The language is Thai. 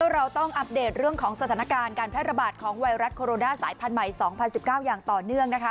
เราต้องอัปเดตเรื่องของสถานการณ์การแพร่ระบาดของไวรัสโคโรนาสายพันธุ์ใหม่๒๐๑๙อย่างต่อเนื่องนะคะ